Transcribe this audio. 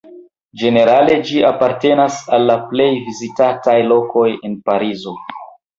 Ĝenerale ĝi apartenas al la plej vizitataj lokoj en Parizo.